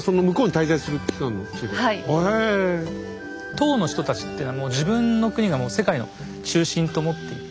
唐の人たちっていうのは自分の国が世界の中心と思っていて